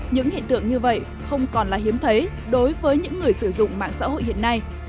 những hiện tượng như vậy không còn là hiếm thấy đối với những người sử dụng mạng xã hội hiện nay